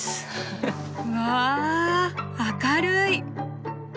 わあ明るい！